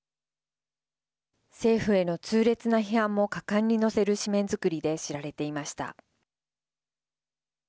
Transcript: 政府への痛烈な批判も果敢に載せる紙面づくりで知られていました。